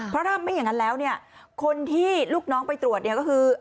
เพราะถ้าไม่อย่างนั้นแล้วเนี่ยคนที่ลูกน้องไปตรวจเนี่ยก็คือ